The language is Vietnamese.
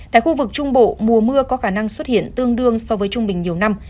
tại khu vực trung bộ mùa mưa có khả năng xuất hiện tương đương so với trung bình nhiều năm